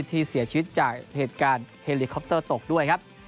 ที่เสียชีวิตจากเหตุการณ์เฮลิคอปเตอร์ตกด้วยครับ